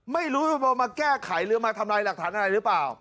ไม่รู้ว่ามาแก้ไขหรือมาทำลายหลักฐานอะไรหรือเปล่า